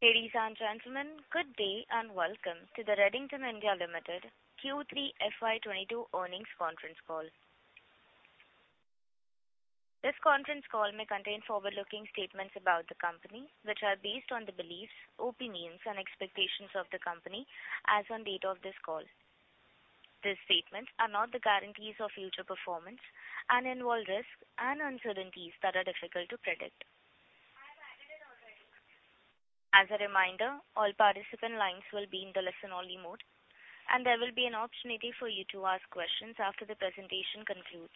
Ladies and gentlemen, good day and welcome to the Redington India Limited Q3 FY 2022 earnings conference call. This conference call may contain forward-looking statements about the company, which are based on the beliefs, opinions, and expectations of the company as on date of this call. These statements are not the guarantees of future performance and involve risks and uncertainties that are difficult to predict. As a reminder, all participant lines will be in the listen-only mode, and there will be an opportunity for you to ask questions after the presentation concludes.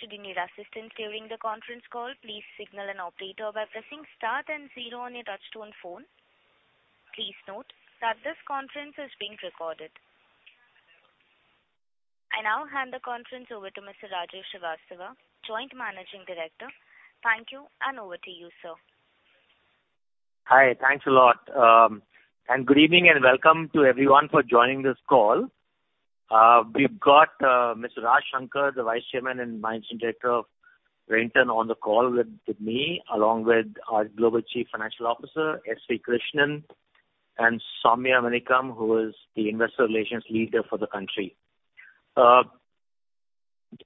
Should you need assistance during the conference call, please signal an operator by pressing star then zero on your touchtone phone. Please note that this conference is being recorded. I now hand the conference over to Mr. Rajiv Srivastava, Joint Managing Director. Thank you, and over to you, sir. Hi. Thanks a lot. Good evening and welcome to everyone for joining this call. We've got Mr. Raj Shankar, the Vice Chairman and Managing Director of Redington on the call with me, along with our Global Chief Financial Officer, S.V. Krishnan, and Sowmiya Manickam, who is the investor relations leader for the country. The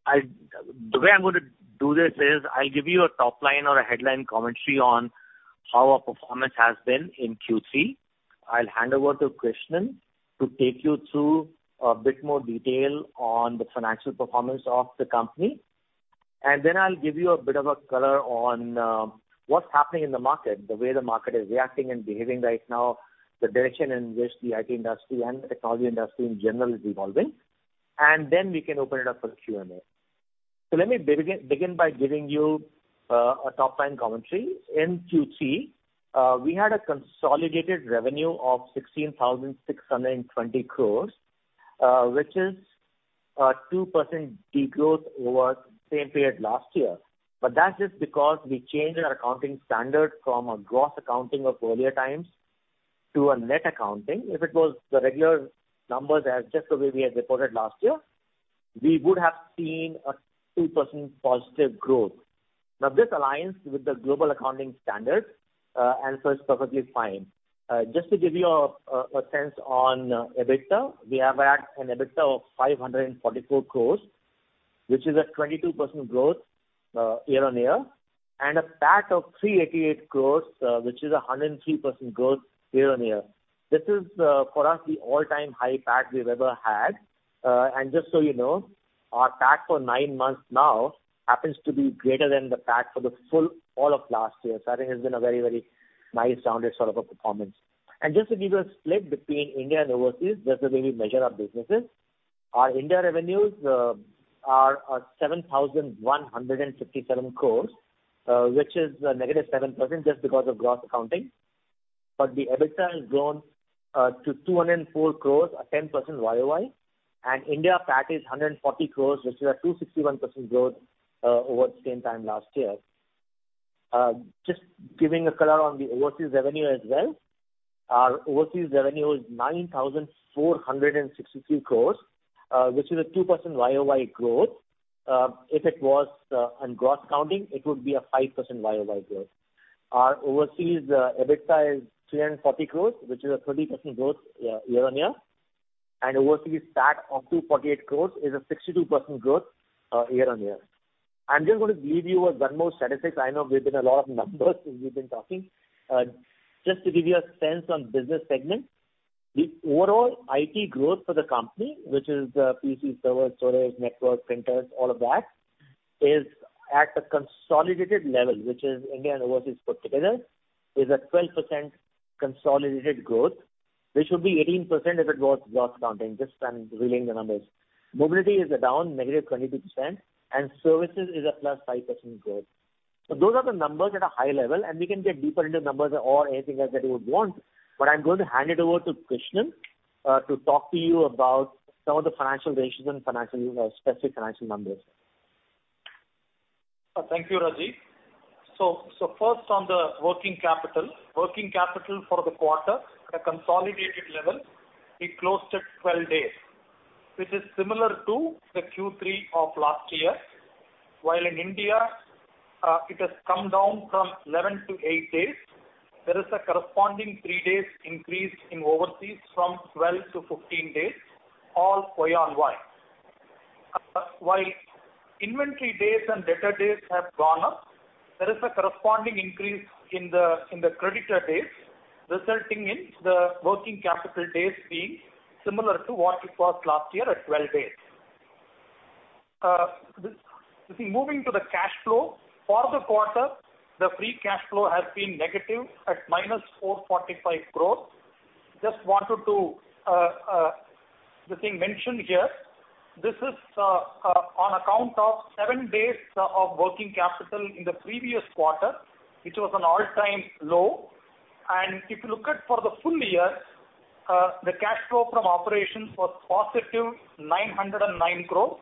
way I'm gonna do this is I'll give you a top-line or a headline commentary on how our performance has been in Q3. I'll hand over to Krishnan to take you through a bit more detail on the financial performance of the company. Then I'll give you a bit of a color on what's happening in the market, the way the market is reacting and behaving right now, the direction in which the IT industry and the technology industry in general is evolving. We can open it up for Q&A. Let me begin by giving you a top-line commentary. In Q3, we had a consolidated revenue of 16,620 crore, which is 2% decline over same period last year. But that's just because we changed our accounting standard from a gross accounting of earlier times to a net accounting. If it was the regular numbers as just the way we had reported last year, we would have seen a 2% positive growth. Now, this aligns with the global accounting standard, and so it's perfectly fine. Just to give you a sense on EBITDA, we have had an EBITDA of 544 crore, which is a 22% growth year-on-year, and a PAT of 388 crore, which is a 103% growth year-on-year. This is for us the all-time high PAT we've ever had. Just so you know, our PAT for nine months now happens to be greater than the PAT for the full all of last year. I think it's been a very, very nice rounded sort of a performance. Just to give you a split between India and overseas, that's the way we measure our businesses. Our India revenues are 7,157 crore, which is a -7% just because of gross accounting. The EBITDA has grown to 204 crore, a 10% YoY, and India PAT is 140 crore, which is a 261% growth over the same time last year. Just giving a color on the overseas revenue as well. Our overseas revenue is 9,463 crore, which is a 2% YoY growth. If it was on gross accounting, it would be a 5% YoY growth. Our overseas EBITDA is 340 crore, which is a 30% growth year-over-year. Overseas PAT of 248 crore is a 62% growth year-on-year. I'm just gonna give you one more statistic. I know we've thrown a lot of numbers since we've been talking. Just to give you a sense on business segment, the overall IT growth for the company, which is PC, server, storage, network, printers, all of that, is at a consolidated level, which is India and overseas put together, is a 12% consolidated growth, which would be 18% if it was gross accounting. Just, I'm relaying the numbers. Mobility is down -22% and services is a +5% growth. Those are the numbers at a high level, and we can get deeper into numbers or anything else that you would want. I'm going to hand it over to Krishnan to talk to you about some of the financial ratios and specific financial numbers. Thank you, Rajiv. First on the working capital. Working capital for the quarter at a consolidated level, we closed at 12 days, which is similar to the Q3 of last year. While in India, it has come down from 11 to eight days. There is a corresponding three days increase in overseas from 12 to 15 days, all YoY. While inventory days and debtor days have gone up, there is a corresponding increase in the creditor days, resulting in the working capital days being similar to what it was last year at 12 days. Moving to the cash flow. For the quarter, the free cash flow has been negative at -445 crore. Just wanted to mention the thing here. This is on account of seven days of working capital in the previous quarter, which was an all-time low. If you look at for the full year, the cash flow from operations was positive 909 crore,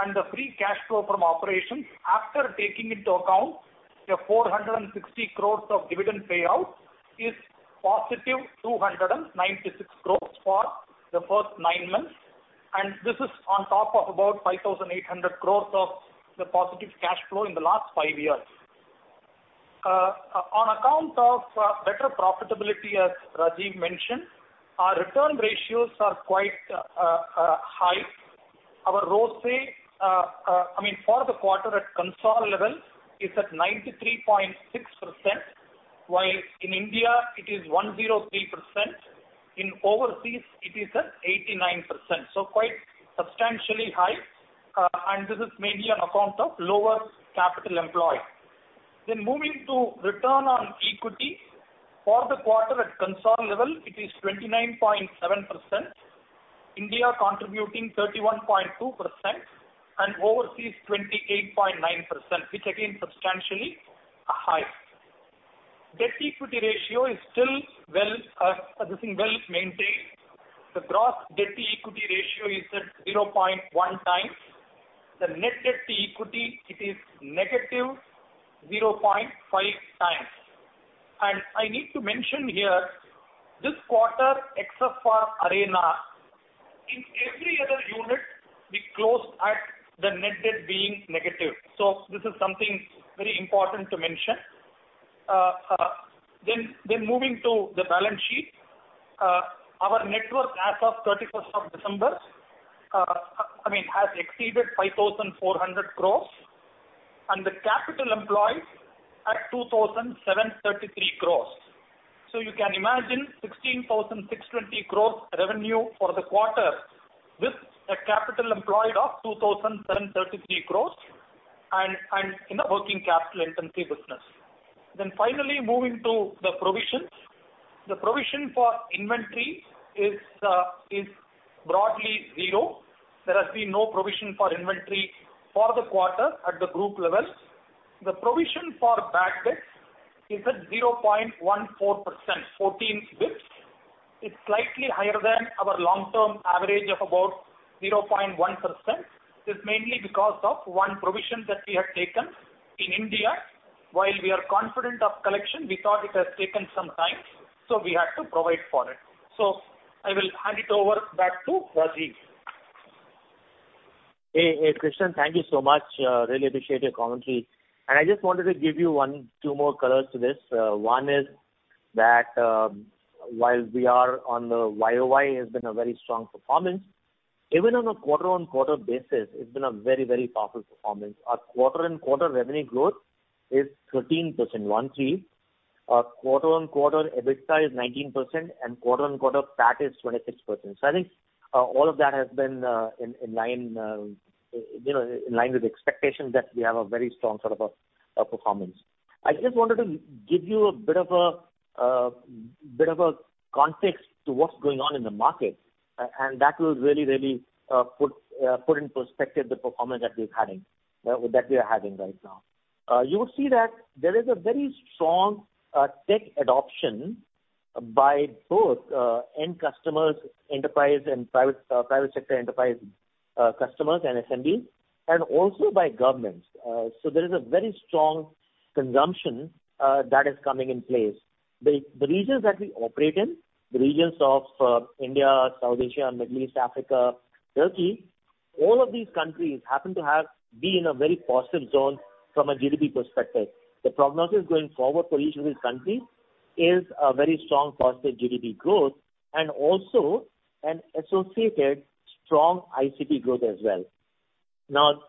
and the free cash flow from operations after taking into account 460 crore of dividend payout is positive 296 crore for the first nine months. This is on top of about 5,800 crore of the positive cash flow in the last five years. On account of better profitability, as Rajiv mentioned, our return ratios are quite high. Our ROCE, I mean, for the quarter at consolidated level is at 93.6%, while in India it is 103%. In overseas it is at 89%, so quite substantially high. This is mainly on account of lower capital employed. Moving to return on equity. For the quarter at consolidated level, it is 29.7%. India contributing 31.2% and overseas 28.9%, which again substantially are high. Debt-to-equity ratio is still well, I think well maintained. The gross debt-to-equity ratio is at 0.1 times. The net debt-to-equity, it is -0.5 times. I need to mention here this quarter, except for Arena, in every other unit, we closed at the net debt being negative. So this is something very important to mention. Moving to the balance sheet. Our net worth as of 31st of December, I mean, has exceeded 5,400 crore and the capital employed at 2,733 crore. You can imagine 16,620 crore revenue for the quarter with a capital employed of 2,733 crore and in a working capital-intensive business. Finally moving to the provisions. The provision for inventory is broadly zero. There has been no provision for inventory for the quarter at the group level. The provision for bad debts is at 0.14%, 14 basis points. It's slightly higher than our long-term average of about 0.1%. It's mainly because of one provision that we have taken in India. While we are confident of collection, we thought it has taken some time, so we had to provide for it. I will hand it over back to Rajiv. Krishnan. Thank you so much. Really appreciate your commentary. I just wanted to give you two more colors to this. One is that, while we are on the YoY has been a very strong performance. Even on a quarter-on-quarter basis, it's been a very, very powerful performance. Our quarter-on-quarter revenue growth is 13%, one three. Our quarter-on-quarter EBITDA is 19% and quarter-on-quarter PAT is 26%. I think, all of that has been, in line, you know, in line with expectations that we have a very strong sort of a performance. I just wanted to give you a bit of a context to what's going on in the market, and that will really put in perspective the performance that we are having right now. You will see that there is a very strong tech adoption by both end customers, enterprise and private sector enterprise customers and SMBs, and also by governments. So there is a very strong consumption that is coming in place. The regions that we operate in, the regions of India, South Asia, Middle East, Africa, Turkey, all of these countries happen to be in a very positive zone from a GDP perspective. The prognosis going forward for each of these countries is a very strong positive GDP growth and also an associated strong ICT growth as well. Now,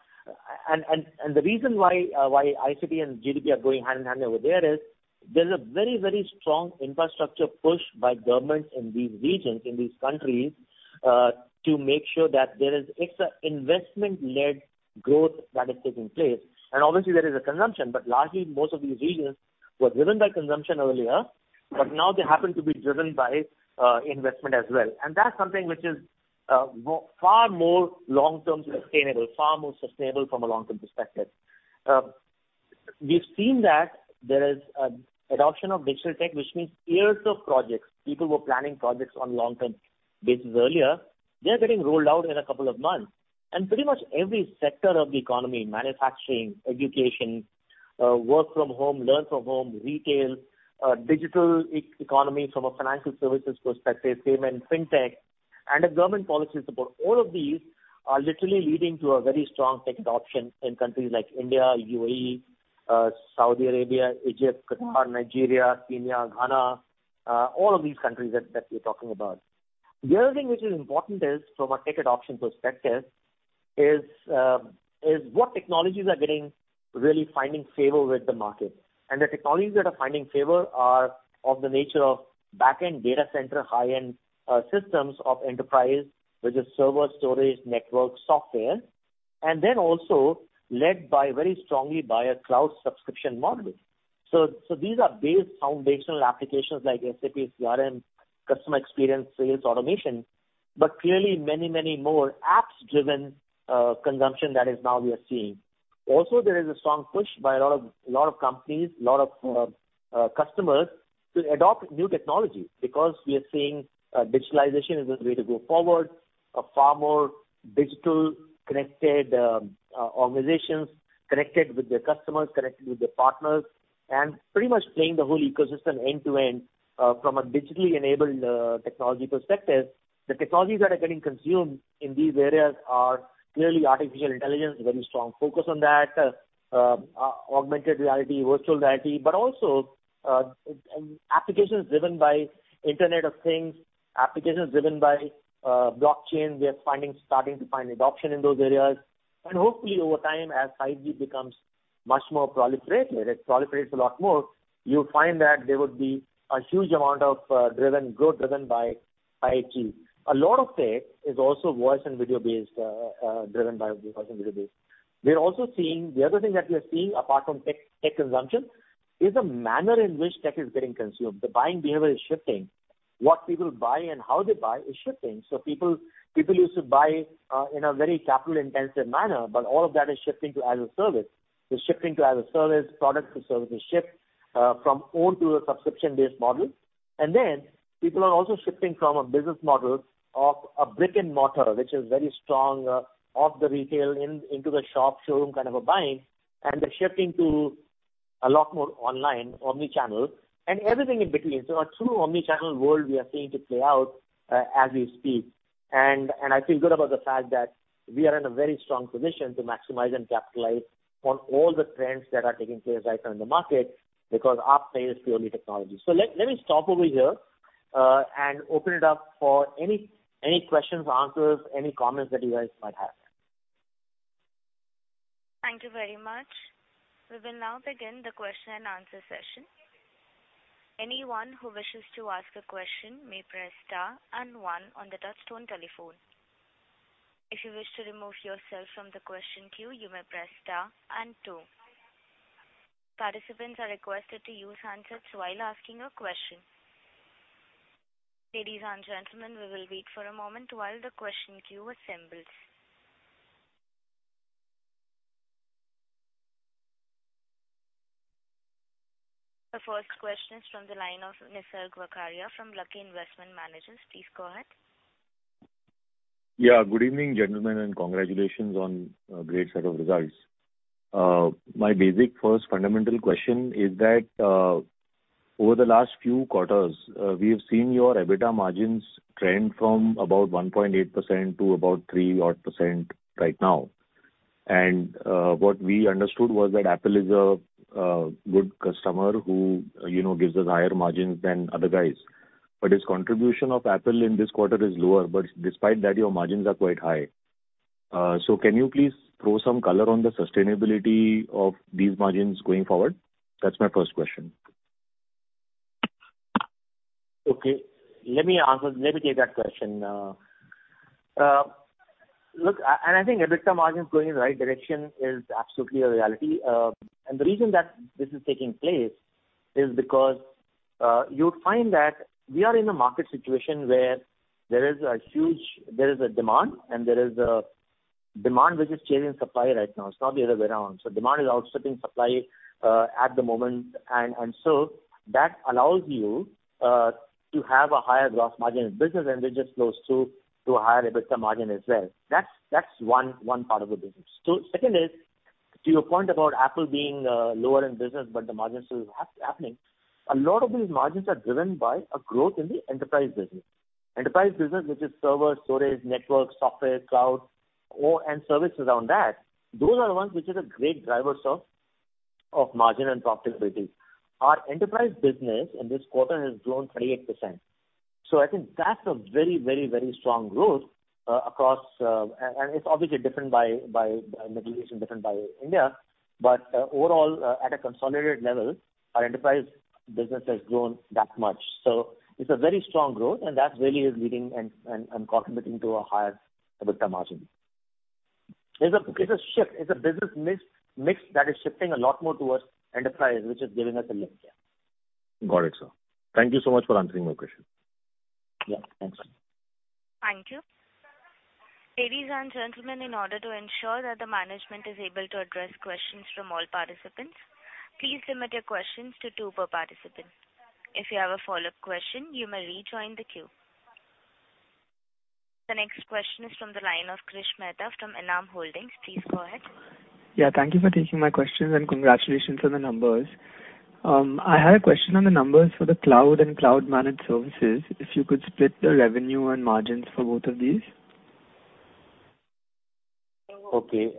the reason why ICT and GDP are going hand in hand over there is there's a very, very strong infrastructure push by governments in these regions, in these countries, to make sure that there is investment-led growth that is taking place. Obviously there is a consumption, but largely most of these regions were driven by consumption earlier, but now they happen to be driven by investment as well. That's something which is far more long-term sustainable, far more sustainable from a long-term perspective. We've seen that there is adoption of digital tech, which means years of projects. People were planning projects on long-term basis earlier. They are getting rolled out in a couple of months. Pretty much every sector of the economy, manufacturing, education, work from home, learn from home, retail, digital economy from a financial services perspective, payment, fintech, and a government policy support, all of these are literally leading to a very strong tech adoption in countries like India, UAE, Saudi Arabia, Egypt, Qatar, Nigeria, Kenya, Ghana, all of these countries that we're talking about. The other thing which is important is from a tech adoption perspective what technologies are getting really finding favor with the market. The technologies that are finding favor are of the nature of back-end data center, high-end, systems of enterprise, which is server, storage, network, software, and then also led very strongly by a cloud subscription model. These are base foundational applications like SAP, CRM, customer experience, sales automation, but clearly many more apps-driven consumption that is now we are seeing. There is a strong push by a lot of customers to adopt new technology because we are seeing digitalization is the way to go forward. A far more digital connected organizations connected with their customers, connected with their partners, and pretty much playing the whole ecosystem end-to-end from a digitally enabled technology perspective. The technologies that are getting consumed in these areas are clearly artificial intelligence, very strong focus on that. Augmented reality, virtual reality, but also applications driven by Internet of Things, applications driven by blockchain. We are starting to find adoption in those areas. Hopefully, over time, as 5G becomes much more proliferated, it proliferates a lot more, you'll find that there would be a huge amount of growth driven by IT. A lot of tech is also voice and video-based, driven by voice and video-based. We are also seeing. The other thing that we are seeing apart from tech consumption is the manner in which tech is getting consumed. The buying behavior is shifting. What people buy and how they buy is shifting. People used to buy in a very capital-intensive manner, but all of that is shifting to as a service. It's shifting to as a service. Products and services shift from own to a subscription-based model. Then people are also shifting from a business model of a brick-and-mortar, which is very strong of the retail into the shop showroom kind of a buying. They're shifting to a lot more online omnichannel and everything in between. A true omnichannel world we are seeing to play out, as we speak. I feel good about the fact that we are in a very strong position to maximize and capitalize on all the trends that are taking place right now in the market because our play is purely technology. Let me stop over here, and open it up for any questions or answers, any comments that you guys might have. Thank you very much. We will now begin the question-and-answer session. Anyone who wishes to ask a question may press star and one on the touch-tone telephone. If you wish to remove yourself from the question queue, you may press star and two. Participants are requested to use handsets while asking a question. Ladies and gentlemen, we will wait for a moment while the question queue assembles. The first question is from the line of Nisarg Vakharia from Lucky Investment Managers. Please go ahead. Good evening, gentlemen, and congratulations on a great set of results. My basic first fundamental question is that over the last few quarters we have seen your EBITDA margins trend from about 1.8% to about 3% right now. What we understood was that Apple is a good customer who, you know, gives us higher margins than other guys. The contribution of Apple in this quarter is lower. Despite that, your margins are quite high. Can you please throw some color on the sustainability of these margins going forward? That's my first question. Okay. Let me answer. Let me take that question. Look, I think EBITDA margins going in the right direction is absolutely a reality. The reason that this is taking place is because you'd find that we are in a market situation where there is a huge demand, and there is a demand which is changing supply right now. It's not the other way around. Demand is outstripping supply at the moment. And so that allows you to have a higher gross margin in business, and it just flows through to a higher EBITDA margin as well. That's one part of the business. Second is, to your point about Apple being lower in business, but the margin still happening. A lot of these margins are driven by a growth in the enterprise business. Enterprise business, which is servers, storage, networks, software, cloud, and services around that, those are the ones which are the great drivers of margin and profitability. Our enterprise business in this quarter has grown 38%. I think that's a very strong growth across. It's obviously different by Middle East and different by India. Overall, at a consolidated level, our enterprise business has grown that much. It's a very strong growth, and that really is leading and contributing to a higher EBITDA margin. It's a shift. It's a business mix that is shifting a lot more towards enterprise, which is giving us a lift here. Got it, sir. Thank you so much for answering my question. Yeah, thanks. Thank you. Ladies and gentlemen, in order to ensure that the management is able to address questions from all participants, please limit your questions to two per participant. If you have a follow-up question, you may rejoin the queue. The next question is from the line of Krish Mehta from Enam Holdings. Please go ahead. Yeah. Thank you for taking my questions, and congratulations on the numbers. I had a question on the numbers for the cloud and cloud-managed services. If you could split the revenue and margins for both of these. Okay.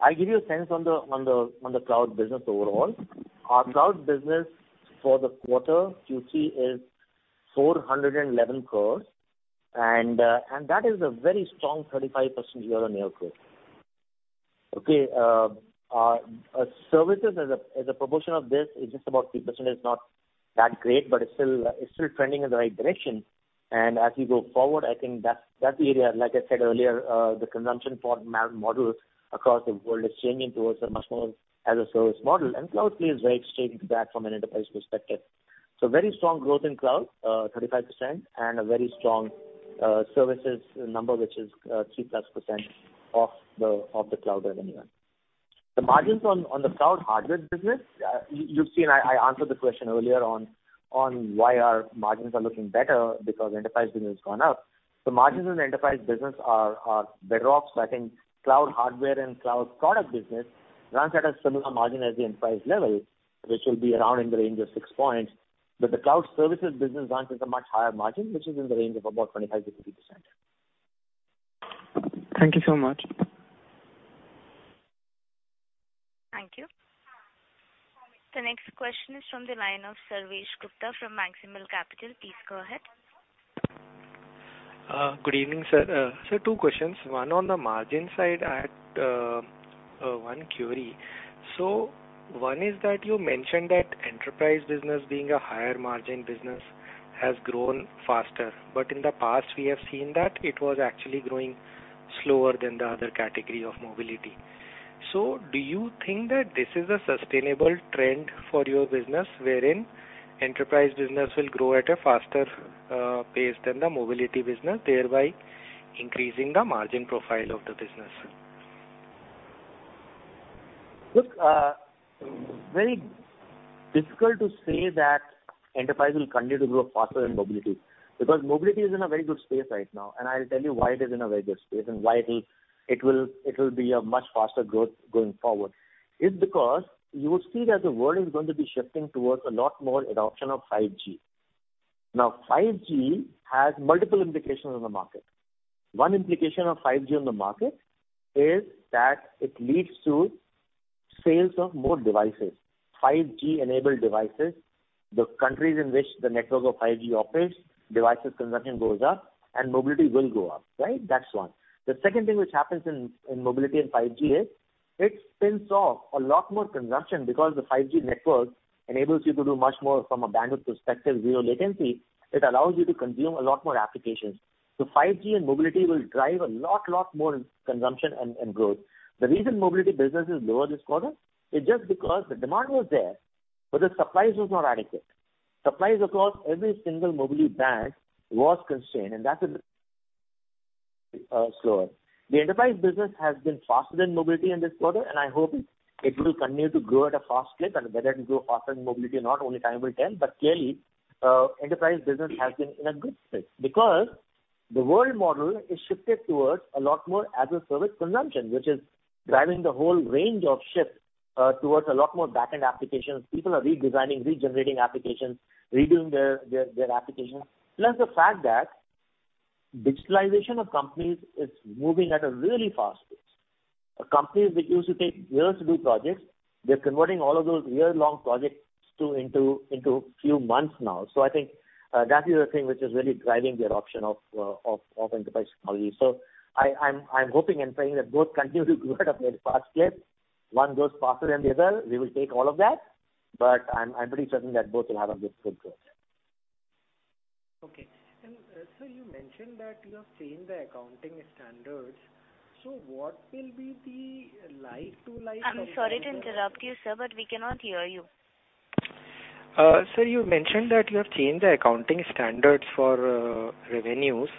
I'll give you a sense on the cloud business overall. Our cloud business for the quarter, you see, is 411 crore. That is a very strong 35% year-over-year growth. Okay, services as a proportion of this is just about 3%. It's not that great, but it's still trending in the right direction. As we go forward, I think that area, like I said earlier, the consumption model across the world is changing towards a much more as-a-service model. Cloud plays very straight into that from an enterprise perspective. Very strong growth in cloud, 35%, and a very strong services number, which is 3+% of the cloud revenue. The margins on the cloud hardware business, you've seen, I answered the question earlier on why our margins are looking better because enterprise business has gone up. The margins in the enterprise business are better. I think cloud hardware and cloud product business runs at a similar margin as the enterprise level, which will be around in the range of 6%. The cloud services business runs at a much higher margin, which is in the range of about 25%-50%. Thank you so much. Thank you. The next question is from the line of Sarvesh Gupta from Maximal Capital. Please go ahead. Good evening, sir. Sir, two questions. One on the margin side at, one query. One is that you mentioned that enterprise business being a higher margin business has grown faster. In the past, we have seen that it was actually growing slower than the other category of mobility. Do you think that this is a sustainable trend for your business wherein enterprise business will grow at a faster pace than the mobility business, thereby increasing the margin profile of the business? Look, very difficult to say that enterprise will continue to grow faster than mobility, because mobility is in a very good space right now. I'll tell you why it is in a very good space and why it will be a much faster growth going forward. It's because you will see that the world is going to be shifting towards a lot more adoption of 5G. Now, 5G has multiple implications in the market. One implication of 5G on the market is that it leads to sales of more devices, 5G-enabled devices. The countries in which the network of 5G operates, devices consumption goes up and mobility will go up, right? That's one. The second thing which happens in mobility in 5G is it spins off a lot more consumption because the 5G network enables you to do much more from a bandwidth perspective, zero latency. It allows you to consume a lot more applications. 5G and mobility will drive a lot more consumption and growth. The reason mobility business is lower this quarter is just because the demand was there, but the supplies was not adequate. Supplies across every single mobility band was constrained, and that's a slower. The enterprise business has been faster than mobility in this quarter, and I hope it will continue to grow at a fast clip. Whether it will grow faster than mobility or not, only time will tell. Clearly, enterprise business has been in a good space because the world model is shifted towards a lot more as-a-service consumption, which is driving the whole range of shift towards a lot more back-end applications. People are redesigning, regenerating applications, redoing their applications. Plus the fact that digitalization of companies is moving at a really fast pace. Companies which used to take years to do projects, they're converting all of those year-long projects into few months now. I think that is the thing which is really driving the adoption of enterprise technology. I hoping and praying that both continue to grow at a very fast clip. One grows faster than the other, we will take all of that. I'm pretty certain that both will have a good growth. Sir, you mentioned that you have changed the accounting standards. What will be the like-for-like- I'm sorry to interrupt you, sir, but we cannot hear you. Sir, you mentioned that you have changed the accounting standards for revenues.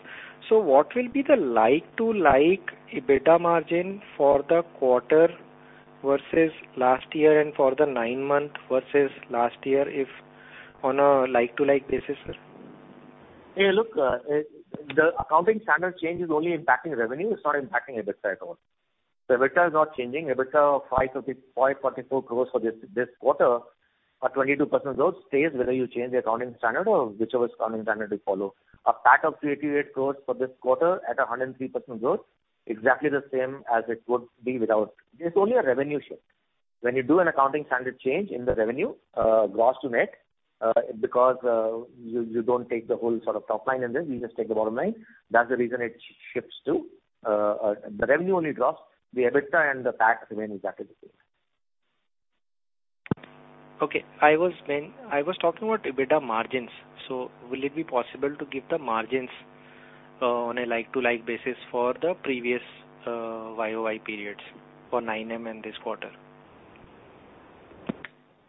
What will be the like-for-like EBITDA margin for the quarter versus last year and for the nine-month versus last year if on a like-for-like basis? Yeah, look, the accounting standard change is only impacting revenue. It's not impacting EBITDA at all. The EBITDA is not changing. EBITDA of 544 crore for this quarter at 22% growth stays whether you change the accounting standard or whichever accounting standard you follow. A PAT of 128 crore for this quarter at 103% growth, exactly the same as it would be without. It's only a revenue shift. When you do an accounting standard change in the revenue, gross to net, because you don't take the whole sort of top line in this, you just take the bottom line. That's the reason it shifts to the revenue only drops. The EBITDA and the PAT remain exactly the same. Okay. I was talking about EBITDA margins. Will it be possible to give the margins on a like-for-like basis for the previous YoY periods for nine-month and this quarter?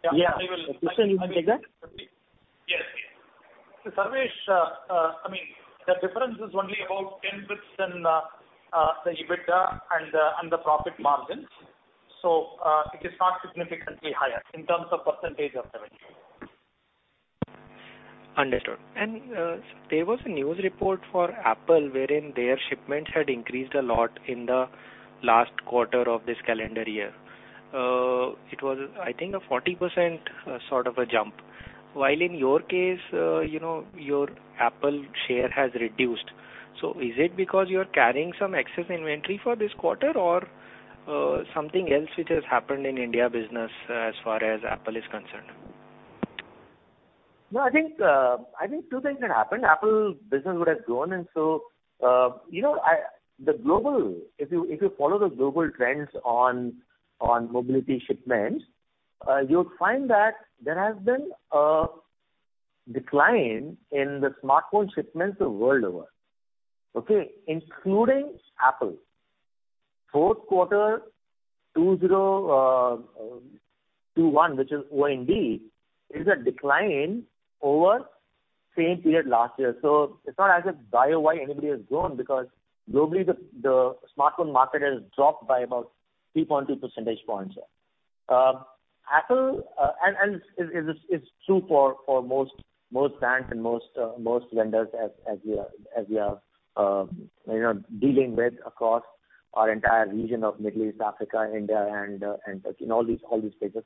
Yeah. Yeah. Yes. Sarvesh, I mean, the difference is only about 10%, the EBITDA and the profit margins. It is not significantly higher in terms of percentage of revenue. Understood. Sir, there was a news report for Apple wherein their shipments had increased a lot in the last quarter of this calendar year. It was, I think, a 40% sort of a jump. While in your case, you know, your Apple share has reduced. Is it because you're carrying some excess inventory for this quarter or something else which has happened in India business as far as Apple is concerned? No, I think two things had happened. Apple business would have grown. You know, if you follow the global trends on mobility shipments, you'll find that there has been a decline in the smartphone shipments world over, okay? Including Apple. Fourth quarter 2021, which is October-December, is a decline over same period last year. It's not as if anybody has grown because globally the smartphone market has dropped by about 3.2 percentage points. It is true for Apple and for most brands and most vendors as we are dealing with across our entire region of Middle East, Africa, India and in all these places.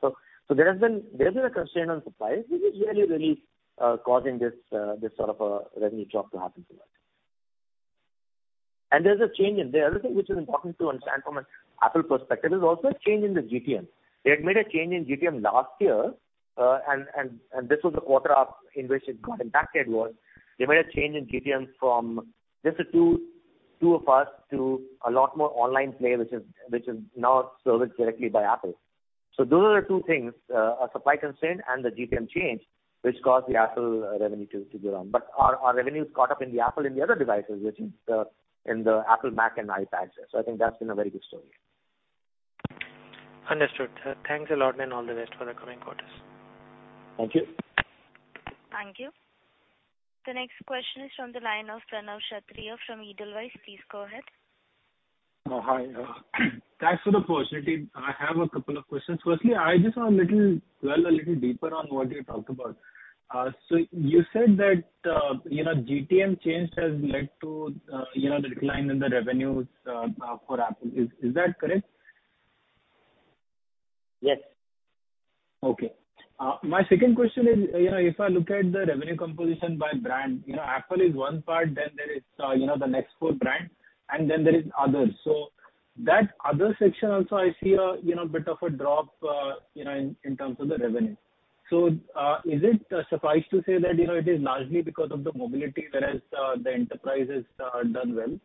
There has been a constraint on supplies, which is really causing this sort of a revenue drop to happen to that. There's a change in their. The other thing which is important to understand from an Apple perspective is also a change in the GTM. They had made a change in GTM last year, and this was the quarter in which it got impacted. They made a change in GTM from this to two of us to a lot more online play, which is now serviced directly by Apple. Those are the two things, a supply constraint and the GTM change which caused the Apple revenue to go down. Our revenues caught up in Apple and in the other devices, which is in the Apple Mac and iPads. I think that's been a very good story. Understood. Thanks a lot and all the best for the coming quarters. Thank you. Thank you. The next question is from the line of Pranav Kshatriya from Edelweiss. Please go ahead. Oh, hi. Thanks for the opportunity. I have a couple of questions. Firstly, I just want to dwell a little deeper on what you talked about. So you said that, you know, GTM change has led to, you know, the decline in the revenues for Apple. Is that correct? Yes. Okay. My second question is, you know, if I look at the revenue composition by brand, you know, Apple is one part, then there is, you know, the next four brands and then there is others. That other section also I see a, you know, bit of a drop, you know, in terms of the revenue. Does it suffice to say that, you know, it is largely because of the mobility whereas the enterprise is done well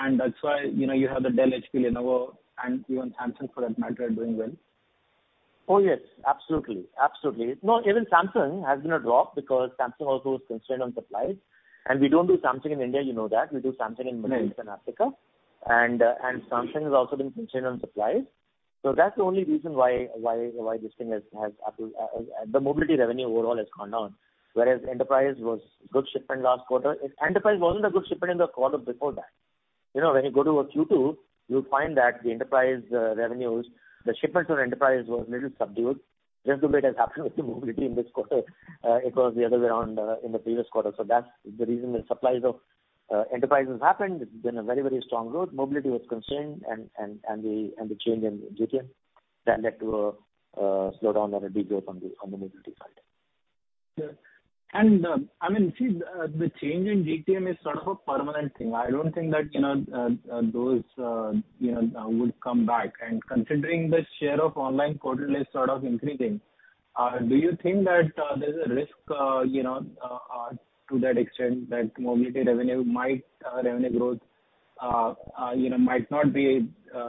and that's why, you know, you have the Dell, HP, Lenovo and even Samsung for that matter are doing well? Oh, yes, absolutely. No, even Samsung has seen a drop because Samsung also is constrained on supplies. We don't do Samsung in India, you know that. We do Samsung in the Middle East and Africa. Samsung has also been constrained on supplies. That's the only reason why this thing has happened with Apple, the mobility revenue overall has gone down, whereas Enterprise was good shipment last quarter. Enterprise wasn't a good shipment in the quarter before that. You know, when you go to a Q2 you'll find that the Enterprise revenues, the shipments of Enterprise was little subdued just the way it has happened with the mobility in this quarter. It was the other way around in the previous quarter. That's the reason the supplies of Enterprise has happened. It's been a very strong growth. Mobility was constrained and the change in GTM then led to a slowdown or a degrowth on the mobility side. Sure. I mean, the change in GTM is sort of a permanent thing. I don't think that, you know, those, you know, would come back. Considering the share of online quarterly is sort of increasing, do you think that there's a risk, you know, to that extent that mobility revenue growth might not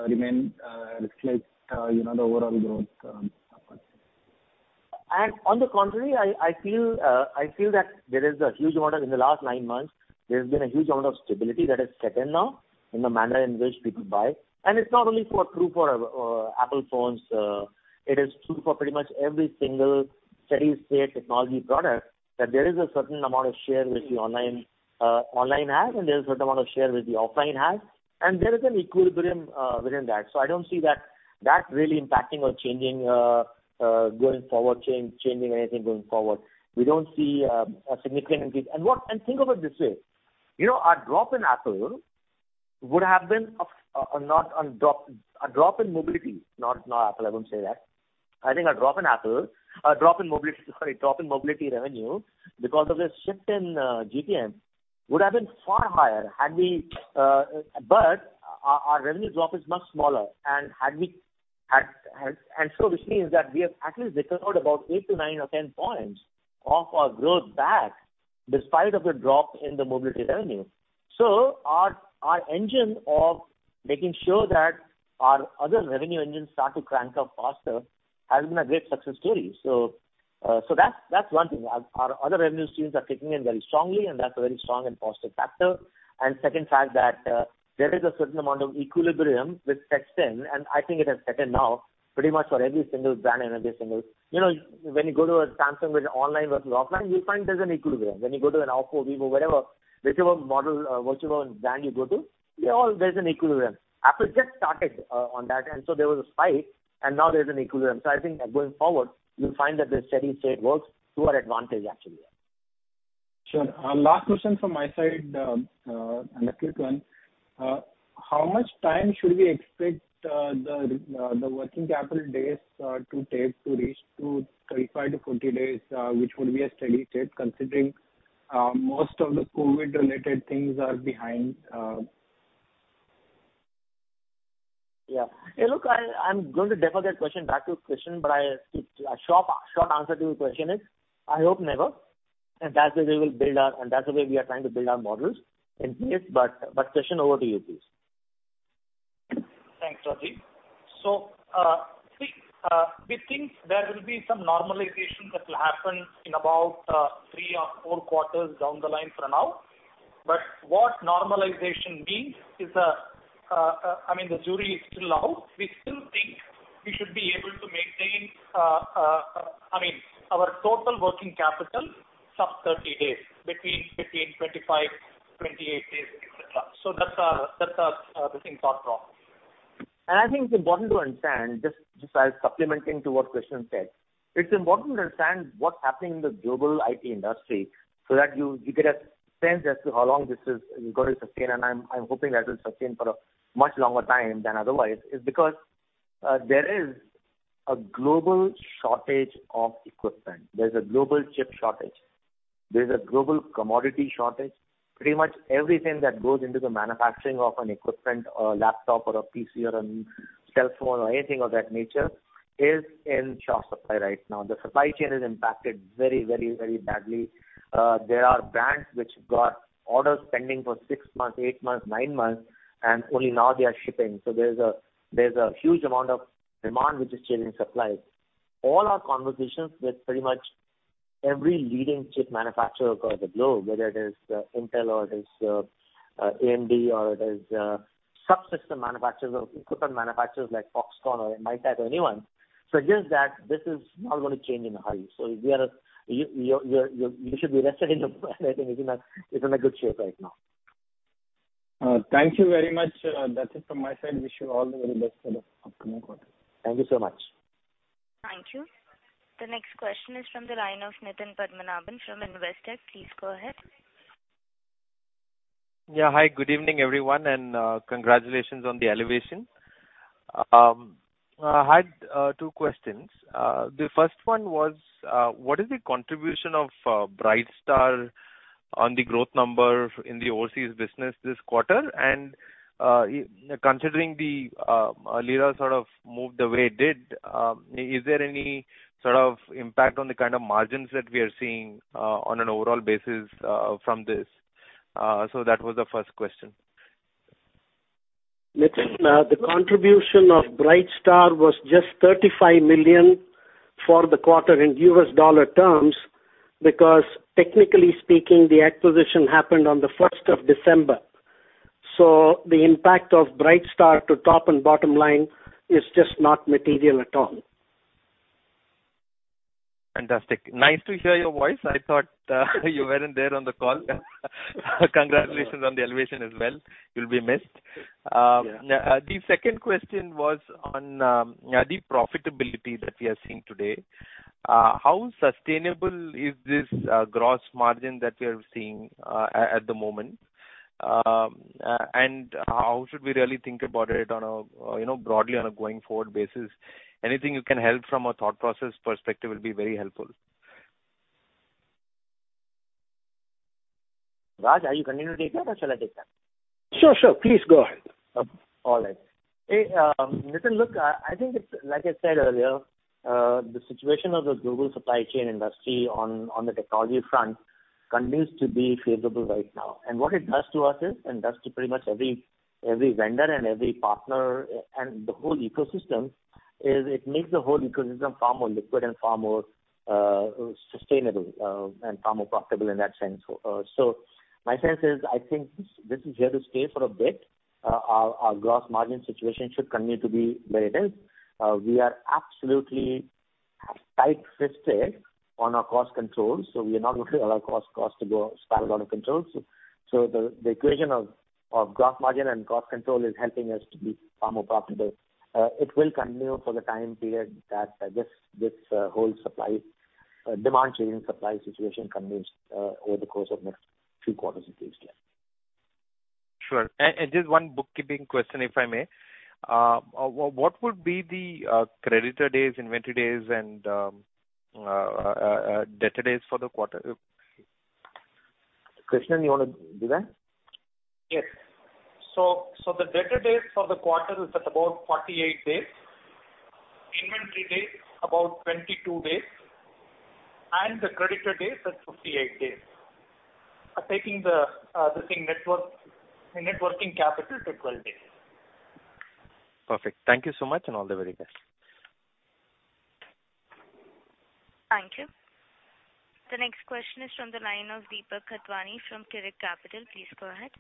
remain risk like, you know, the overall growth? On the contrary, I feel that in the last nine months, there's been a huge amount of stability that has set in now in the manner in which people buy. It's not only true for Apple phones. It is true for pretty much every single steady state technology product that there is a certain amount of share which the online has and there's a certain amount of share which the offline has and there is an equilibrium within that. I don't see that really impacting or changing anything going forward. We don't see a significant increase. Think of it this way, you know, our drop in mobility, not Apple, I wouldn't say that. I think a drop in mobility revenue because of this shift in GTM would have been far higher had we, but our revenue drop is much smaller. Which means that we have at least recovered about 8%-10% of our growth back despite of the drop in the mobility revenue. Our engine of making sure that our other revenue engines start to crank up faster has been a great success story. That's one thing. Our other revenue streams are kicking in very strongly and that's a very strong and positive factor. Second, there is a certain amount of equilibrium which sets in and I think it has set in now pretty much for every single brand and every single. You know, when you go to a Samsung with online versus offline, you'll find there's an equilibrium. When you go to an OPPO, vivo, whatever, whichever model, whichever brand you go to, they all, there's an equilibrium. Apple just started on that and so there was a spike and now there's an equilibrium. I think going forward you'll find that the steady state works to our advantage actually. Sure. Last question from my side, and a quick one. How much time should we expect the working capital days to take to reach 35-40 days, which would be a steady state considering most of the COVID related things are behind? Yeah. Hey, look, I'm going to defer that question back to Krishnan, but a short answer to your question is I hope never. That's the way we are trying to build our models in place. Krishnan over to you please. Thanks, Rajiv. We think there will be some normalization that will happen in about three or four quarters down the line for now. What normalization means is, I mean the jury is still out. We still think we should be able to maintain, I mean, our total working capital sub-30 days between 15, 25, 28 days, etc. That's our thing thought through. I think it's important to understand, just as supplementing to what Krishnan said. It's important to understand what's happening in the global IT industry so that you get a sense as to how long this is going to sustain. I'm hoping that will sustain for a much longer time than otherwise, is because there is a global shortage of equipment. There's a global chip shortage. There's a global commodity shortage. Pretty much everything that goes into the manufacturing of an equipment, a laptop or a PC or a cell phone or anything of that nature is in short supply right now. The supply chain is impacted very badly. There are brands which got orders pending for six months, eight months, nine months, and only now they are shipping. There's a huge amount of demand which is changing supply. All our conversations with pretty much every leading chip manufacturer across the globe, whether it is Intel or AMD or subsystem manufacturers or equipment manufacturers like Foxconn or Inventec or anyone, suggests that this is not gonna change in a hurry. You should be rest assured. I think it's in a good shape right now. Thank you very much. That's it from my side. Wish you all the very best for the upcoming quarter. Thank you so much. Thank you. The next question is from the line of Nitin Padmanabhan from Investec. Please go ahead. Yeah. Hi, good evening, everyone, and congratulations on the elevation. I had two questions. The first one was, what is the contribution of Brightstar on the growth number in the overseas business this quarter? Considering the lira sort of moved the way it did, is there any sort of impact on the kind of margins that we are seeing on an overall basis from this? That was the first question. Nitin, the contribution of Brightstar was just $35 million for the quarter in US dollar terms, because technically speaking, the acquisition happened on the first of December. The impact of Brightstar to top and bottom line is just not material at all. Fantastic. Nice to hear your voice. I thought you weren't there on the call. Congratulations on the elevation as well. You'll be missed. Yeah. The second question was on, yeah, the profitability that we are seeing today. How sustainable is this gross margin that we are seeing at the moment? And how should we really think about it on a, you know, broadly on a going forward basis? Anything you can help from a thought process perspective will be very helpful. Raj, are you continuing to take that or shall I take that? Sure, sure. Please go ahead. All right. Hey, Nitin, look, I think it's like I said earlier, the situation of the global supply chain industry on the technology front continues to be favorable right now. What it does to us is, and does to pretty much every vendor and every partner and the whole ecosystem, is it makes the whole ecosystem far more liquid and far more sustainable, and far more profitable in that sense. My sense is, I think this is here to stay for a bit. Our gross margin situation should continue to be where it is. We are absolutely tight-fisted on our cost controls, so we are not going to allow cost to spiral out of control. The equation of gross margin and cost control is helping us to be far more profitable. It will continue for the time period that this whole supply demand chain and supply situation continues over the course of next few quarters at least. Sure. Just one bookkeeping question, if I may. What would be the creditor days, inventory days and debtor days for the quarter? Krishnan, you wanna do that? Yes. The debtor days for the quarter is at about 48 days. Inventory days, about 22 days. The creditor days at 58 days. Taking the net working capital to 12 days. Perfect. Thank you so much and all the very best. Thank you. The next question is from the line of Deepak Khatwani from Girik Capital. Please go ahead.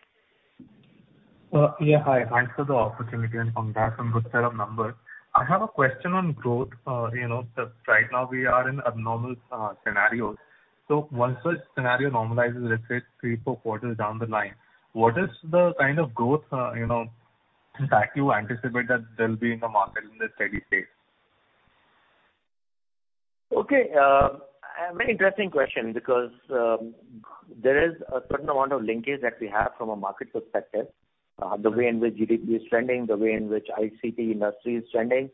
Yeah, hi. Thanks for the opportunity and congrats on good set of numbers. I have a question on growth. You know, right now we are in abnormal scenarios. Once the scenario normalizes, let's say three, four quarters down the line, what is the kind of growth, you know, that you anticipate that there'll be in the market in the steady state? Okay. A very interesting question because there is a certain amount of linkage that we have from a market perspective, the way in which GDP is trending, the way in which ICT industry is trending.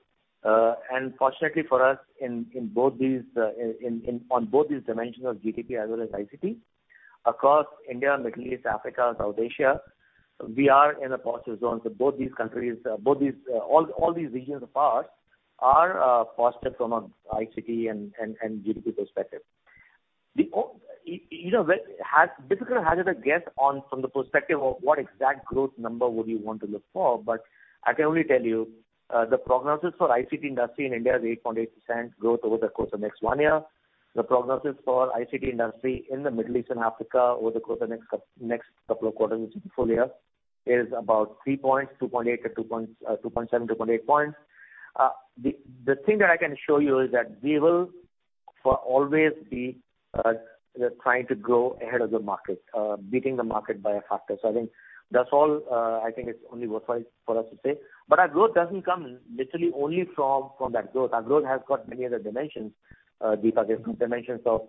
Fortunately for us, in both these dimensions of GDP as well as ICT, across India, Middle East, Africa, South Asia, we are in a positive zone. All these regions of ours are in a positive zone on ICT and GDP perspective. You know, very difficult to hazard a guess on from the perspective of what exact growth number would you want to look for, but I can only tell you the prognosis for ICT industry in India is 8.8% growth over the course of next one year. The prognosis for ICT industry in the Middle East and Africa over the course of next couple of quarters, which is a full year is about three points, 2.8% to 2.7%-2.8%. The thing that I can show you is that we will forever be trying to grow ahead of the market, beating the market by a factor. I think that's all, I think it's only worthwhile for us to say. Our growth doesn't come literally only from that growth. Our growth has got many other dimensions, Deepak. There are dimensions of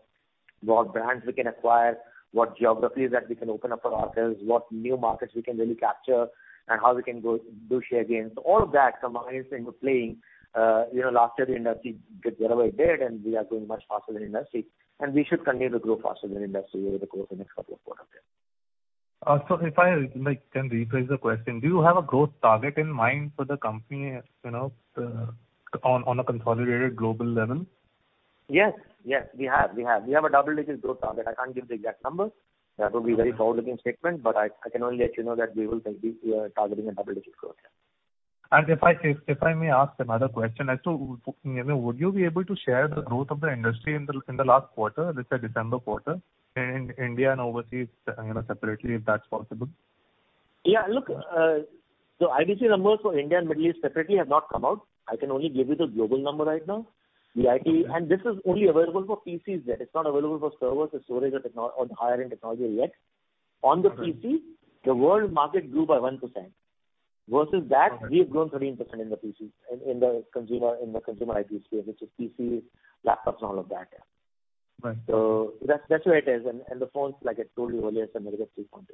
what brands we can acquire, what geographies that we can open up for ourselves, what new markets we can really capture, and how we can gain share. All of that combined into playing, you know, last year the industry did whatever it did, and we are growing much faster than industry, and we should continue to grow faster than industry over the course of the next couple of quarters. If I like can rephrase the question. Do you have a growth target in mind for the company, you know, on a consolidated global level? Yes, we have a double-digit growth target. I can't give the exact number. That will be a very bold statement, but I can only let you know that we will be targeting a double-digit growth. If I may ask another question. You know, would you be able to share the growth of the industry in the last quarter, let's say December quarter, in India and overseas, you know, separately, if that's possible? Yeah. Look, the IDC numbers for India and Middle East separately have not come out. I can only give you the global number right now. The IT is only available for PCs there. It's not available for servers or storage or the higher-end technology yet. On the PC, the world market grew by 1%. Versus that, we've grown 13% in the PCs, in the consumer IT space, which is PCs, laptops and all of that. Right. That's the way it is. The phones, like I told you earlier, somewhere around 3.8.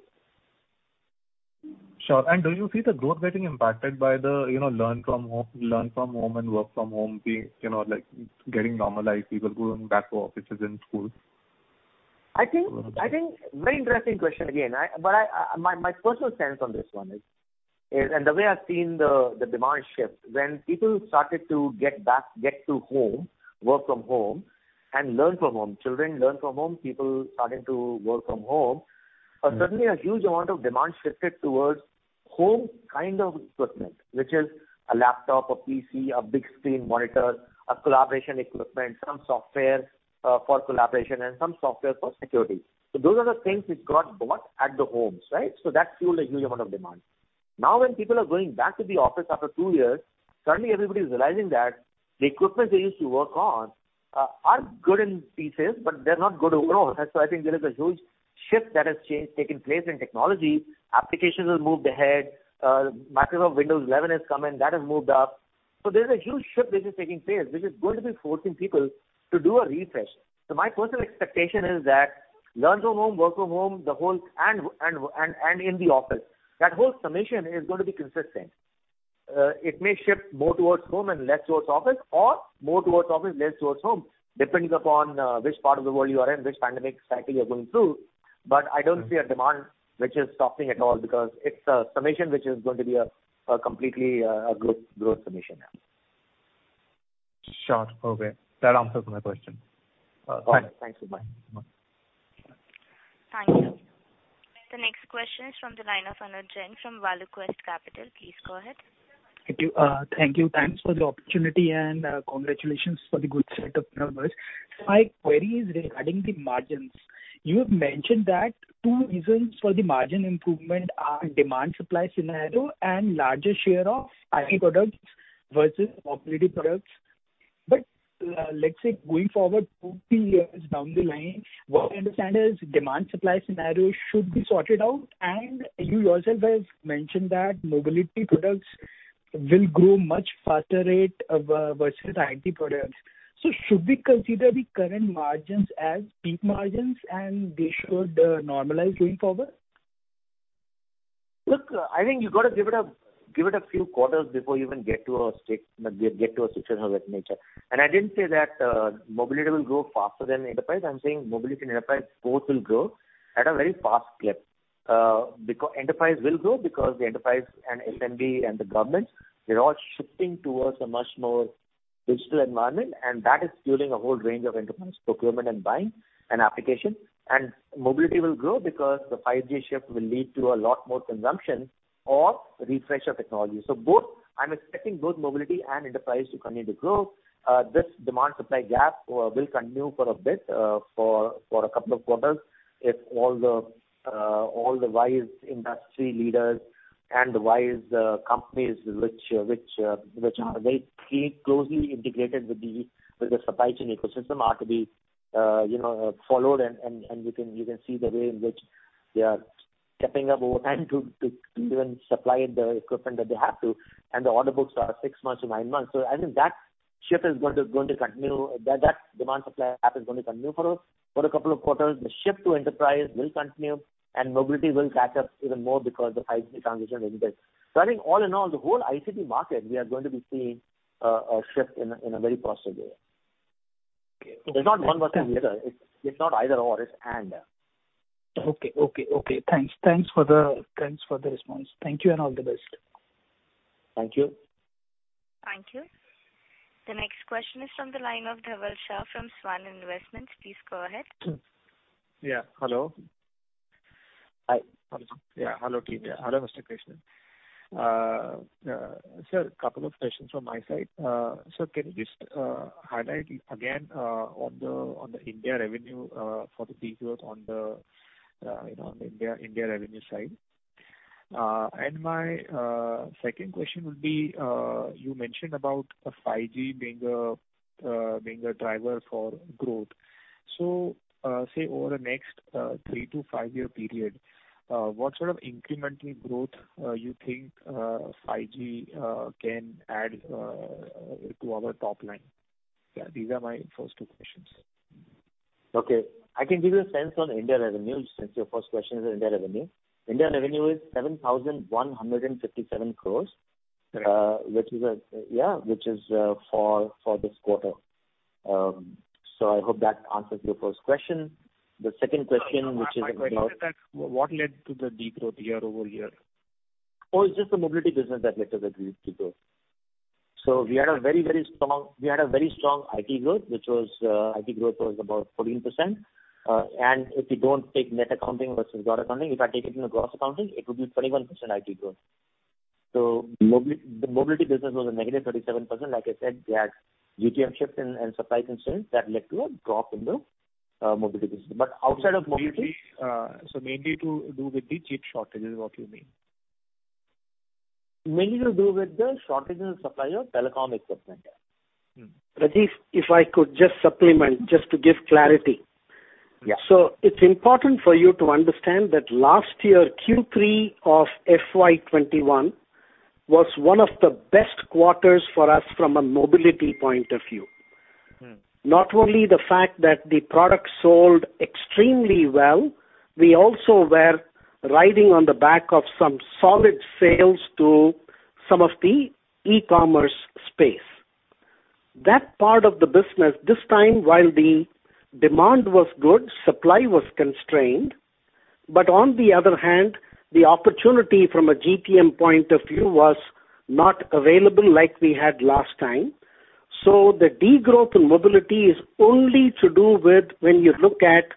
Sure. Do you see the growth getting impacted by the, you know, learn from home and work from home being, you know, like getting normalized, people going back to offices and schools? I think very interesting question again. My personal sense on this one is the way I've seen the demand shift, when people started to get back to home, work from home and learn from home, children learn from home, people starting to work from home. Suddenly a huge amount of demand shifted towards home kind of equipment, which is a laptop, a PC, a big screen monitor, a collaboration equipment, some software for collaboration and some software for security. Those are the things which got bought at the homes, right? That fueled a huge amount of demand. Now, when people are going back to the office after two years, suddenly everybody's realizing that the equipment they used to work on are good in pieces, but they're not good overall. I think there is a huge shift that has changed, taken place in technology. Applications have moved ahead. Microsoft Windows 11 has come in. That has moved up. There's a huge shift which is taking place, which is going to be forcing people to do a refresh. My personal expectation is that learn from home, work from home, the whole and in the office, that whole summation is going to be consistent. It may shift more towards home and less towards office or more towards office, less towards home, depending upon which part of the world you are in, which pandemic cycle you're going through. I don't see a demand which is stopping at all because it's a summation which is going to be a completely growth summation. Sure. Okay. That answers my question. Thanks a lot. Okay. Thank you. The next question is from the line of Anuj Jain from ValueQuest Capital. Please go ahead. Thank you. Thanks for the opportunity and congratulations for the good set of numbers. My query is regarding the margins. You have mentioned that two reasons for the margin improvement are demand supply scenario and larger share of IT products versus mobility products. Let's say going forward two, three years down the line, what we understand is demand supply scenario should be sorted out. You yourself have mentioned that mobility products will grow much faster rate versus IT products. Should we consider the current margins as peak margins and they should normalize going forward? Look, I think you've got to give it a few quarters before you even get to a situation of that nature. I didn't say that mobility will grow faster than enterprise. I'm saying mobility and enterprise both will grow at a very fast clip. Enterprise will grow because the enterprise and SMB and the governments, they're all shifting towards a much more digital environment, and that is fueling a whole range of enterprise procurement and buying and application. Mobility will grow because the 5G shift will lead to a lot more consumption or refresh of technology. Both, I'm expecting both mobility and enterprise to continue to grow. This demand supply gap will continue for a bit, for a couple of quarters. If all the wise industry leaders and the wise companies which are very closely integrated with the supply chain ecosystem are to be followed and you can see the way in which they are stepping up over time to even supply the equipment that they have to, and the order books are six months to nine months. I think that shift is going to continue. That demand supply gap is going to continue for a couple of quarters. The shift to enterprise will continue and mobility will catch up even more because the 5G transition is in place. I think all in all, the whole ICT market, we are going to be seeing a shift in a very positive way. Okay. It's not one versus the other. It's not either/or. It's and. Okay. Thanks for the response. Thank you and all the best. Thank you. Thank you. The next question is from the line of Dhaval Shah from Swan Investments. Please go ahead. Yeah. Hello. Hi. Hello. Yeah. Hello, Rajiv Srivastava. Hello, Raj Shankar. Couple of questions from my side. Can you just highlight again on the India revenue for the details on, you know, India revenue side. My second question would be, you mentioned about 5G being a driver for growth. Say, over the next three to five year period, what sort of incremental growth you think 5G can add to our top line? Yeah, these are my first two questions. Okay. I can give you a sense on India revenue, since your first question is India revenue. India revenue is 7,157 crore. Yeah. Yeah, which is for this quarter. I hope that answers your first question. The second question, which is about- My question is that what led to the degrowth year-over-year? It's just the mobility business that led to the degrowth. We had a very strong IT growth, which was IT growth was about 14%. If you don't take net accounting versus gross accounting, if I take it in a gross accounting, it would be 21% IT growth. The mobility business was a -37%. Like I said, we had GTM shift and supply constraints that led to a drop in the mobility business. Outside of mobility- Mainly to do with the chip shortages is what you mean? Mainly to do with the shortages in supply of telecom equipment, yeah. Mm. Rajiv, if I could just supplement to give clarity. Yeah. It's important for you to understand that last year, Q3 of FY 2021 was one of the best quarters for us from a mobility point of view. Mm. Not only the fact that the product sold extremely well, we also were riding on the back of some solid sales to some of the e-commerce space. That part of the business this time, while the demand was good, supply was constrained, but on the other hand, the opportunity from a GTM point of view was not available like we had last time. The degrowth in mobility is only to do with when you look at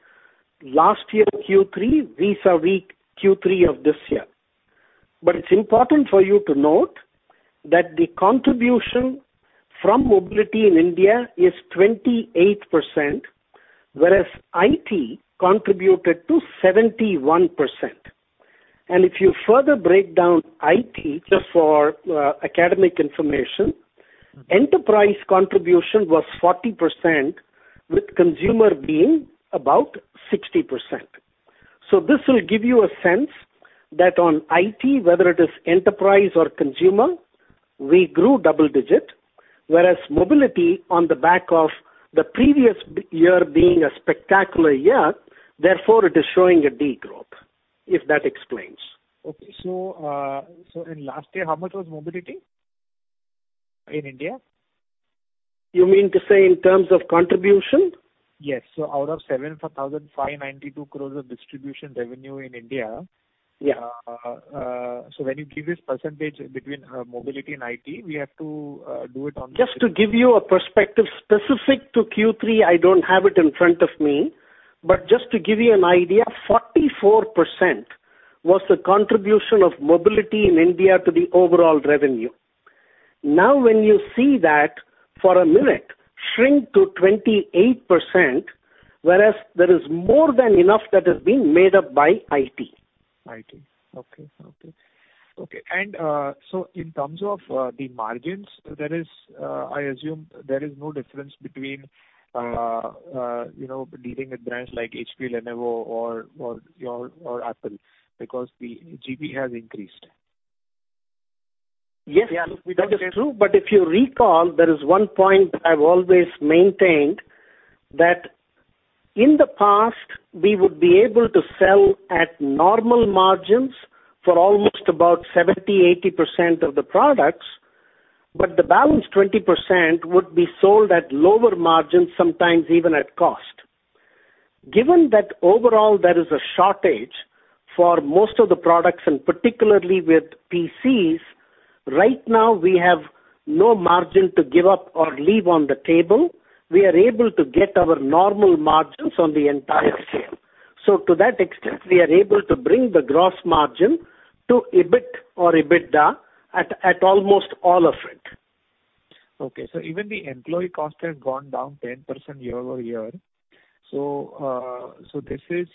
last year Q3 vis-a-vis Q3 of this year. It's important for you to note that the contribution from mobility in India is 28%, whereas IT contributed to 71%. If you further break down IT just for academic information, enterprise contribution was 40%, with consumer being about 60%. This will give you a sense that on IT, whether it is enterprise or consumer, we grew double-digit, whereas mobility on the back of the previous year being a spectacular year, therefore it is showing a degrowth, if that explains? Okay. In last year, how much was mobility in India? You mean to say in terms of contribution? Yes. Out of 7,592 crore of distribution revenue in India. Yeah. When you give this percentage between mobility and IT, we have to do it on Just to give you a perspective specific to Q3, I don't have it in front of me, but just to give you an idea, 44% was the contribution of mobility in India to the overall revenue. Now, when you see that from 44% shrink to 28%, whereas there is more than enough that is being made up by IT. Okay. In terms of the margins, there is, I assume, there is no difference between, you know, dealing with brands like HP, Lenovo or Apple because the GP has increased. Yes. Yeah. That is true. If you recall, there is one point I've always maintained that in the past we would be able to sell at normal margins for almost about 70, 80% of the products, but the balance 20% would be sold at lower margins, sometimes even at cost. Given that overall there is a shortage for most of the products, and particularly with PCs, right now we have no margin to give up or leave on the table. We are able to get our normal margins on the entire scale. To that extent, we are able to bring the gross margin to EBIT or EBITDA at almost all of it. Even the employee cost had gone down 10% year-over-year. This is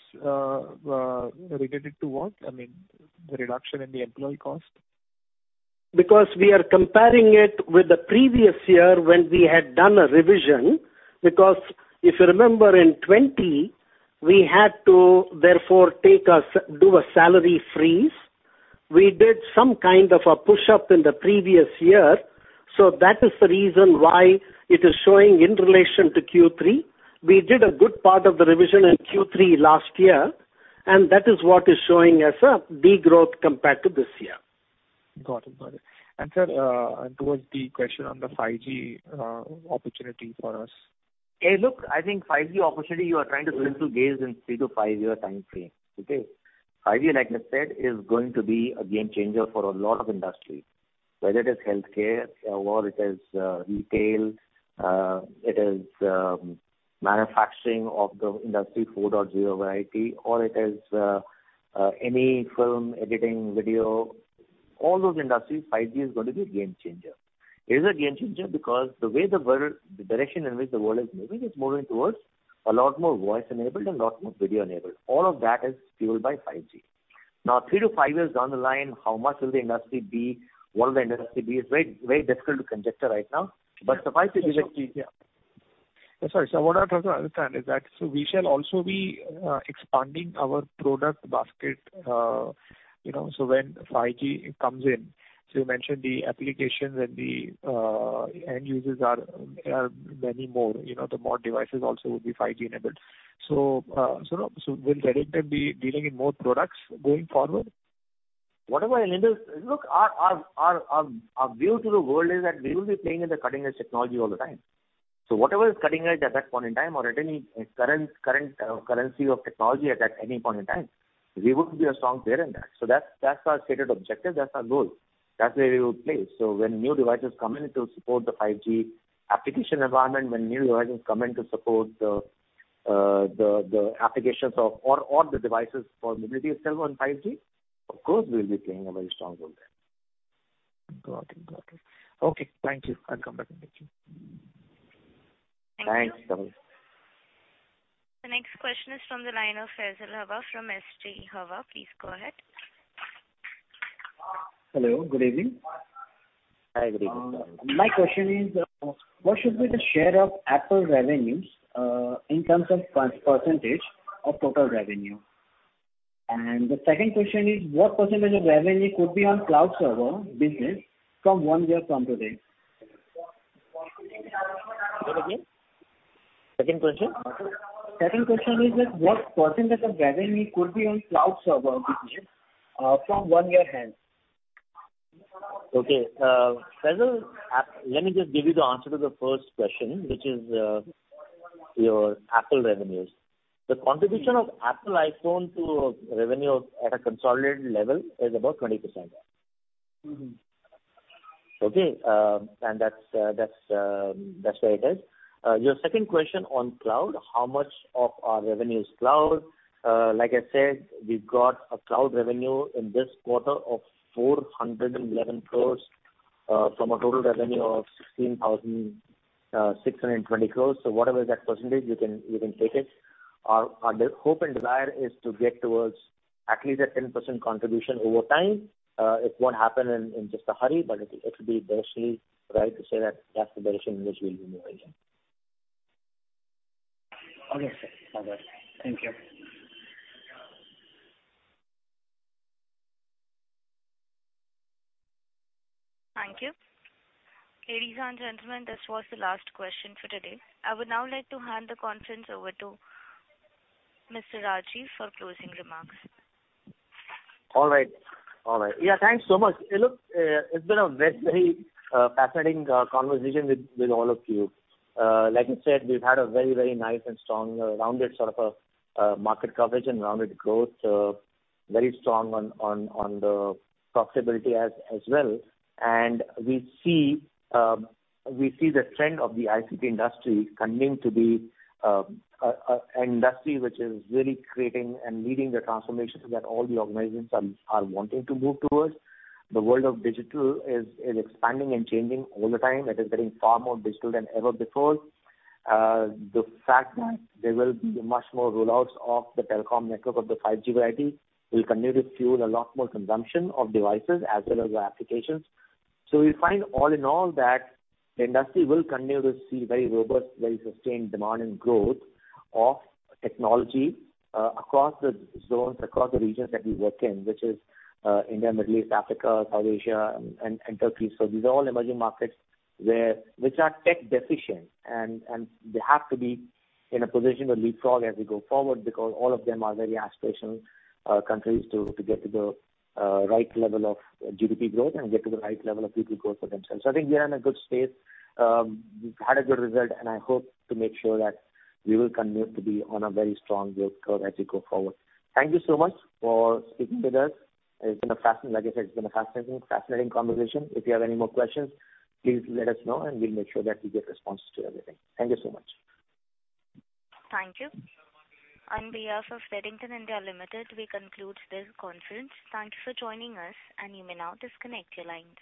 related to what? I mean, the reduction in the employee cost. Because we are comparing it with the previous year when we had done a revision, because if you remember in 2020, we had to therefore do a salary freeze. We did some kind of a push up in the previous year. That is the reason why it is showing in relation to Q3. We did a good part of the revision in Q3 last year, and that is what is showing as a degrowth compared to this year. Got it. Sir, towards the question on the 5G opportunity for us. Hey, look, I think 5G opportunity you are trying to look to gauge in three to five-year timeframe, okay? 5G, like I said, is going to be a game changer for a lot of industries. Whether it is healthcare or it is retail, it is manufacturing of the Industry 4.0 variety, or it is any film editing, video, all those industries, 5G is going to be a game changer. It is a game changer because the direction in which the world is moving, it's moving towards a lot more voice-enabled, a lot more video-enabled. All of that is fueled by 5G. Now, three to five years down the line, how much will the industry be? What will the industry be? It's very, very difficult to conjecture right now. Suffice it Sure. Yeah. Sorry. What I'm trying to understand is that, we shall also be expanding our product basket, you know, when 5G comes in. You mentioned the applications and the end users are many more. You know, the more devices also will be 5G-enabled. Will Redington be dealing in more products going forward? Look, our view to the world is that we will be playing in the cutting-edge technology all the time. Whatever is cutting edge at that point in time or at any current currency of technology at that any point in time, we will be a strong player in that. That's our stated objective. That's our goal. That's where we will play. When new devices come in to support the 5G application environment, when new devices come in to support the applications of or the devices for mobility itself on 5G, of course, we'll be playing a very strong role there. Got it. Okay, thank you. I'll come back to you. Thanks, Dhaval. The next question is from the line of Faisal Hawa from H. G. Hawa. Please go ahead. Hello, good evening. Hi, good evening, sir. My question is, what should be the share of Apple revenues in terms of percentage of total revenue? The second question is, what percentage of revenue could be on cloud server business from one year from today? Say it again. Second question. Second question is that what percentage of revenue could be on cloud server business, from one year hence? Okay. Faisal, let me just give you the answer to the first question, which is, your Apple revenues. The contribution of Apple iPhone to revenue at a consolidated level is about 20%. Mm-hmm. Okay? That's where it is. Your second question on cloud, how much of our revenue is cloud? Like I said, we've got a cloud revenue in this quarter of 411 crore from a total revenue of 16,620 crore. Whatever is that percentage, you can take it. Our hope and desire is to get towards at least a 10% contribution over time. It won't happen in just a hurry, but it'll be basically right to say that that's the direction in which we'll be moving in. Okay, sir. All right. Thank you. Thank you. Ladies and gentlemen, this was the last question for today. I would now like to hand the conference over to Mr. Rajiv for closing remarks. All right. Yeah, thanks so much. Hey, look, it's been a very fascinating conversation with all of you. Like I said, we've had a very nice and strong rounded sort of a market coverage and rounded growth, very strong on the profitability as well. We see the trend of the ICT industry continuing to be an industry which is really creating and leading the transformation that all the organizations are wanting to move towards. The world of digital is expanding and changing all the time. It is getting far more digital than ever before. The fact that there will be much more rollouts of the telecom network of the 5G variety will continue to fuel a lot more consumption of devices as well as the applications. We find all in all that the industry will continue to see very robust, very sustained demand and growth of technology across the zones, across the regions that we work in, which is India, Middle East, Africa, South Asia and Turkey. These are all emerging markets which are tech deficient and they have to be in a position to leapfrog as we go forward because all of them are very aspirational countries to get to the right level of GDP growth and get to the right level of people growth for themselves. I think we are in a good space. We've had a good result, and I hope to make sure that we will continue to be on a very strong growth curve as we go forward. Thank you so much for speaking with us. Like I said, it's been a fascinating conversation. If you have any more questions, please let us know and we'll make sure that we get responses to everything. Thank you so much. Thank you. On behalf of Redington Limited, we conclude this conference. Thank you for joining us, and you may now disconnect your lines.